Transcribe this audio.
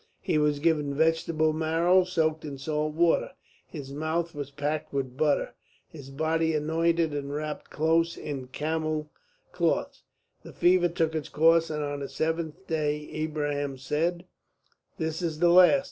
He was given vegetable marrow soaked in salt water, his mouth was packed with butter, his body anointed and wrapped close in camel cloths. The fever took its course, and on the seventh day Ibrahim said: "This is the last.